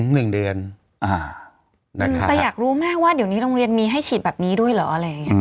หนึ่งเดือนแต่อยากรู้มากว่าเดี๋ยวนี้โรงเรียนมีให้ฉีดแบบนี้ด้วยเหรอ